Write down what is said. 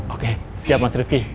oke siap mas rifki